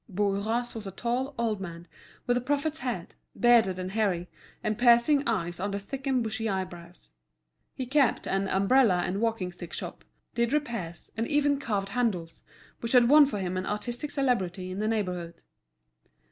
Bourras was a tall old man, with a prophet's head, bearded and hairy, and piercing eyes under thick and bushy eyebrows. He kept an umbrella and walking stick shop, did repairs, and even carved handles, which had won for him an artistic celebrity in the neighbourhood.